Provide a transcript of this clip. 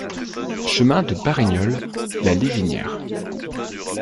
Chemin de Parignoles, La Livinière